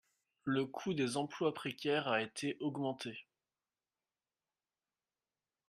Le coût des emplois précaires a été augmenté.